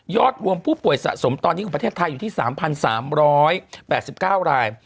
รวมผู้ป่วยสะสมตอนนี้ของประเทศไทยอยู่ที่๓๓๘๙ราย